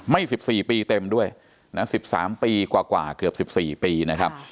๑๔ปีเต็มด้วยนะ๑๓ปีกว่าเกือบ๑๔ปีนะครับ